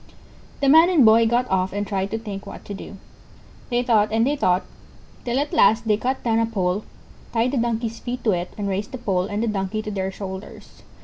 The Man and Boy got off and tried to think what to do. They thought and they thought, till at last they cut down a pole, tied the Donkey's feet to it, and raised the pole and the Donkey to their shoulders.